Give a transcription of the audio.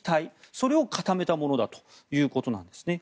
それを固めたものだということなんですね。